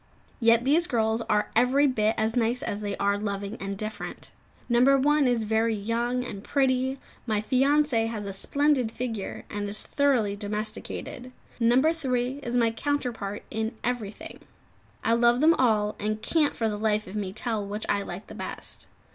Yet these girls are every bit as nice as they are loving and different. No. 1 is very young and pretty; my fiancée has a splendid figure, and is thoroughly domesticated; No. 3 is my counterpart in everything. I love them all, and can't for the life of me tell which I like the best.